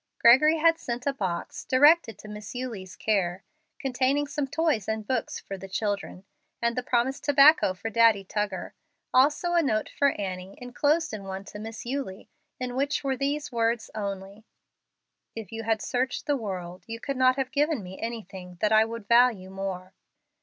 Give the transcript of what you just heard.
Gregory had sent a box, directed to Miss Eulie's care, containing some toys and books for the children, and the promised tobacco for Daddy Tuggar, also a note for Annie, inclosed in one to Miss Eulie, in which were these words only, "If you had searched the world you could not have given me anything that I would value more."